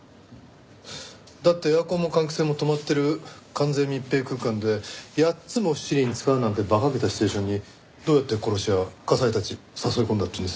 だってエアコンも換気扇も止まってる完全密閉空間で８つも七輪使うなんて馬鹿げたシチュエーションにどうやって殺し屋が加西たち誘い込んだっていうんです？